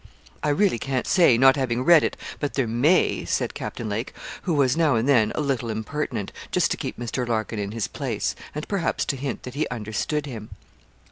'I really can't say, not having read it, but there may,' said Captain Lake, who was now and then a little impertinent, just to keep Mr. Larkin in his place, and perhaps to hint that he understood him.